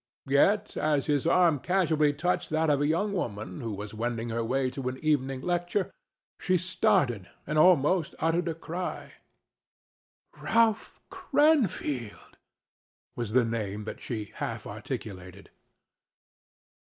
Yet, as his arm casually touched that of a young woman who was wending her way to an evening lecture, she started and almost uttered a cry. "Ralph Cranfield!" was the name that she half articulated.